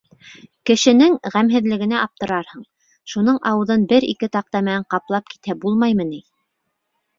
Кешенең ғәмһеҙлегенә аптырарһың, шуның ауыҙын бер-ике таҡта менән ҡаплап китһә булмаймы ни?